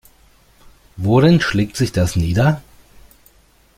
Worin schlägt sich das nieder?